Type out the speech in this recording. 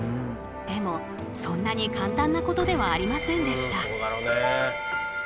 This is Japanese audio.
でもそんなに簡単なことではありませんでした。